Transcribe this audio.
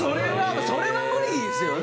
それは無理ですよね。